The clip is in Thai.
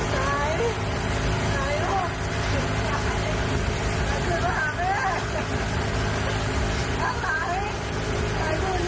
ฟ้าใส